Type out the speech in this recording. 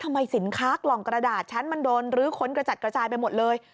สินค้ากล่องกระดาษฉันมันโดนรื้อค้นกระจัดกระจายไปหมดเลย